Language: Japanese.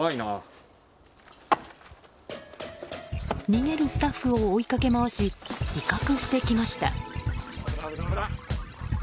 逃げるスタッフを追いかけ回し威嚇してきました。